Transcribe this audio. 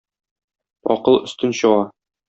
Акыл өстен чыга